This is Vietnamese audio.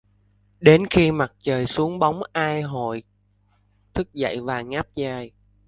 Đến khi mặt trời xuống bóng a hội thức dậy và ngáp dài